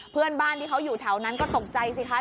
เพื่อนบ้านที่เขาอยู่แถวนั้นก็ตกใจสิคะ